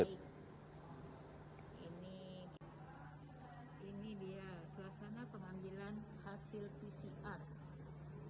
ini dia suasana pengambilan hasil pcr